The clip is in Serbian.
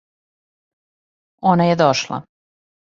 Она је дошла.